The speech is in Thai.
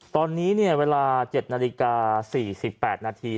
ตอนนี้เวลา๗นาฬิกา๔๘นาที